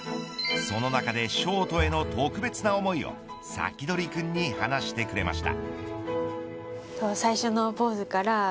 その中でショートへの特別な思いをサキドリくんに話してくれました。